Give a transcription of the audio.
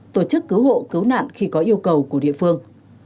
tổ chức cứu hộ cứu nạn khi có yêu cầu của địa phương